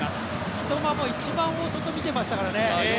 三笘も一番大外見ていましたからね。